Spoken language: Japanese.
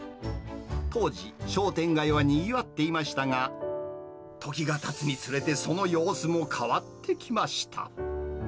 当時、商店街はにぎわっていましたが、時がたつにつれて、その様子も変わってきました。